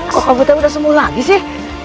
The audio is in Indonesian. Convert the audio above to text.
kok kamu tahu udah semu lagi sih